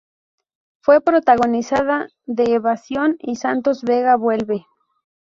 Fue protagonista de "Evasión" y "Santos Vega vuelve".